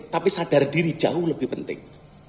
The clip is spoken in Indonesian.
tapi sadar diri jauh lebih penting